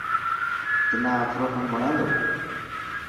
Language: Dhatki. تنا آپرو ڪم وڻي ٿو.